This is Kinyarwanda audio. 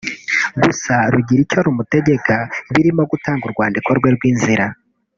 Gusa rugira icyo rumutegeka birimo gutanga urwandiko rwe rw’inzira